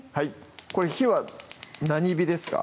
これ火は何火ですか？